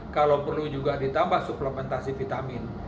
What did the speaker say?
kalau perlu juga ditambah suplementasi vitamin